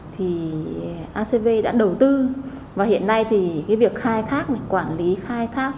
thì acv đã đầu tư và hiện nay thì cái việc khai thác quản lý khai thác